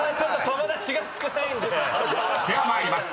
［では参ります。